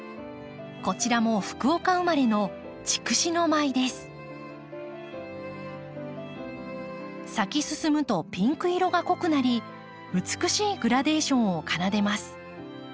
こちらも福岡生まれの咲き進むとピンク色が濃くなり美しいグラデーションを奏でます。